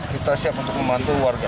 kita siap untuk membantu warga